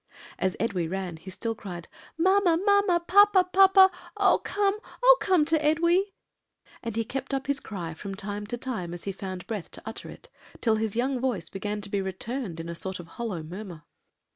"As Edwy ran, he still cried, 'Mamma! mamma! papa! papa! Oh, come, oh, come to Edwy!' and he kept up his cry from time to time as he found breath to utter it, till his young voice began to be returned in a sort of hollow murmur.